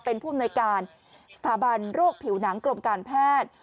เป็นผู้อำนวยการสถาบันโรคผิวหนังกรมการแพทย์